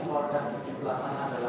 mengeluarkan izin belasan adalah